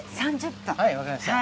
はい分かりました。